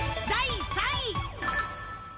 第３位。